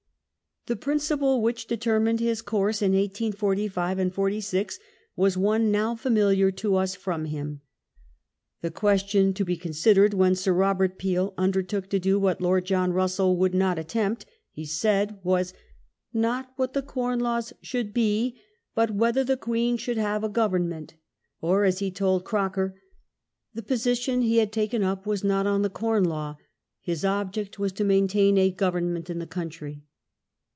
The principle which determined his course in 1845 46 was one now familiar to us from him. The question to be considered when Sir Eobert Peel undertook to do what Lord John Eussell would not attempt, he said, was " not what the Com Laws should be, but whether the Queen should have a Government "; or as he told Croker, "the position he had taken up was not on the Com Law — ^his object was to maintain a Government in the country."